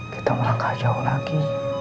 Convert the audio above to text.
kita mulai ke jauh lagi